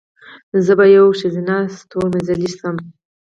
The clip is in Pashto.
زه به یوه ښځینه ستورمزلې شم."